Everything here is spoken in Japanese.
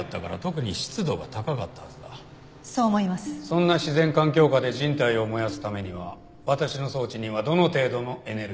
そんな自然環境下で人体を燃やすためには私の装置にはどの程度のエネルギーが必要かな？